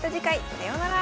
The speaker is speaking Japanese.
さようなら。